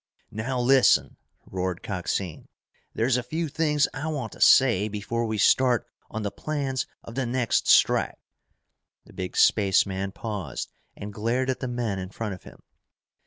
"Now listen," roared Coxine. "There's a few things I want to say before we start on the plans of the next strike!" The big spaceman paused and glared at the men in front of him.